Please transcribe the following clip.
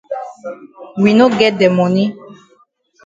We no get de moni.